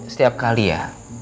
setiap kali ya